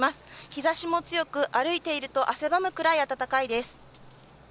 日ざしも強く、歩いていると汗ばむくらい暖かいです。